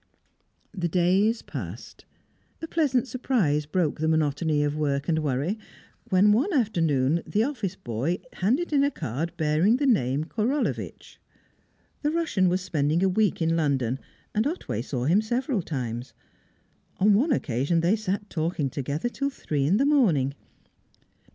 The days passed. A pleasant surprise broke the monotony of work and worry when, one afternoon, the office boy handed in a card bearing the name Korolevitch. The Russian was spending a week in London, and Otway saw him several times; on one occasion they sat talking together till three in the morning.